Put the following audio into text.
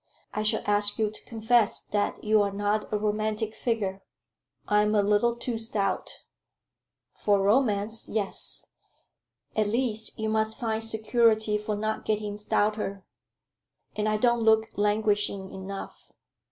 I shall ask you to confess that you are not a romantic figure." "I am a little too stout." "For romance yes. At least you must find security for not getting stouter." "And I don't look languishing enough?"